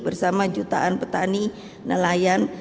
bersama jutaan petani nelayan